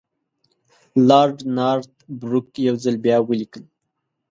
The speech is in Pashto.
لارډ نارت بروک یو ځل بیا ولیکل.